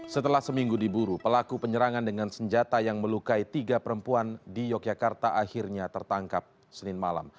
setelah seminggu diburu pelaku penyerangan dengan senjata yang melukai tiga perempuan di yogyakarta akhirnya tertangkap senin malam